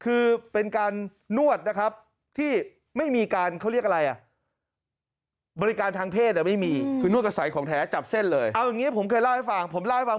เอาอย่างนี้ผมเคยล่าให้ฟัง